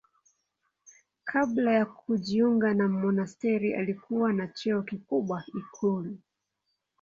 Kabla ya kujiunga na monasteri alikuwa na cheo kikubwa ikulu.